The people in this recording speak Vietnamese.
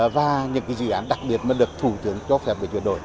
và những dự án đặc biệt mà được thủ tướng cho phép để chuyển đổi